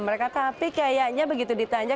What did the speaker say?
mereka tapi kayaknya begitu ditanya